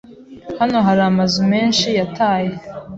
Hano hari amazu menshi yataye.